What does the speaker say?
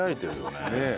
ねえ。